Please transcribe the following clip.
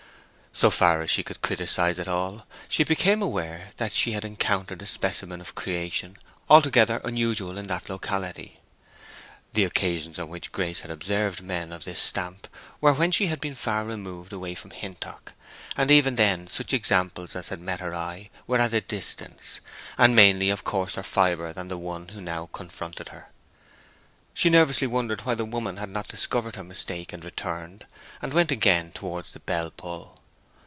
So far as she could criticise at all, she became aware that she had encountered a specimen of creation altogether unusual in that locality. The occasions on which Grace had observed men of this stamp were when she had been far removed away from Hintock, and even then such examples as had met her eye were at a distance, and mainly of coarser fibre than the one who now confronted her. She nervously wondered why the woman had not discovered her mistake and returned, and went again towards the bell pull.